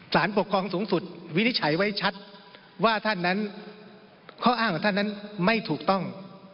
สารปกครองสูงสุดวินิจฉัยไว้ชัดว่าท่านนั้นข้ออ้างของท่านนั้นไม่ถูกต้อง